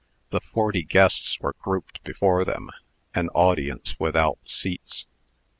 The forty guests were grouped before them, an audience without seats.